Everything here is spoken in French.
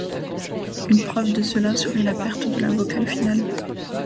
Une preuve de cela serait la perte de la vocale finale.